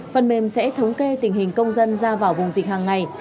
phần mềm sẽ thống kê tình hình công dân ra vào vùng dịch hàng ngày